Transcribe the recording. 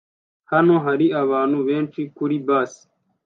Hano hari abantu benshi kuri bus